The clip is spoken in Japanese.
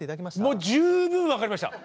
もう十分分かりました。